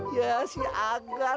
ya si agan